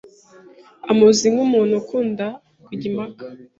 amuzi nk'umuntu ukunda kujya impaka